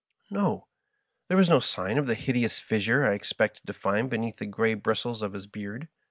No ; there was no sign of the hideous fissure I expected to find beneath the gray bristles of his beard.